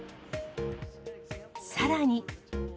さらに。